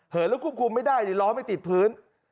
เหินแล้วกุ้งกุ้งไม่ได้หรือล้อไม่ติดพื้น